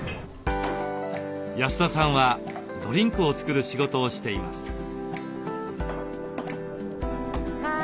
安田さんはドリンクを作る仕事をしています。